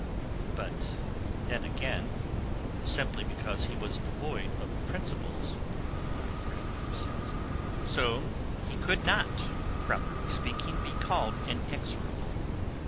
But then again, simply because he was devoid of principles (in my grandmother's sense), so he could not, properly speaking, be called inexorable.